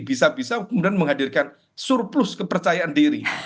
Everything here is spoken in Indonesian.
bisa bisa kemudian menghadirkan surplus kepercayaan diri